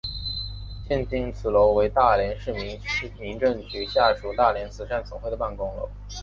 现今此楼为大连市民政局下属大连慈善总会的办公楼。